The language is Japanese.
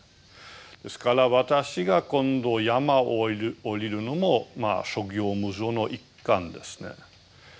ですから私が今度山を下りるのも諸行無常の一環ですね。